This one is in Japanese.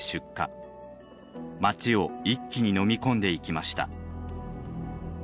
街を一気にのみ込んでいきました。